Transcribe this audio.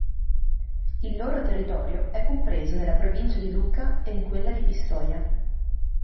Il loro territorio è compreso nella Provincia di Lucca e in quella di Pistoia.